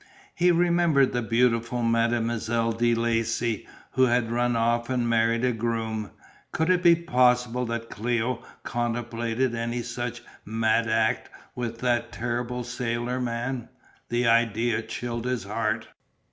He remembered the beautiful Mademoiselle de Lacy who had run off and married a groom; could it be possible that Cléo contemplated any such mad act with that terrific sailor man? The idea chilled his heart.